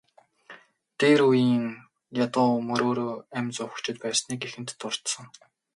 Дээр үеийн ядуу мөрөөрөө амь зуугчид байсныг эхэнд дурдсан.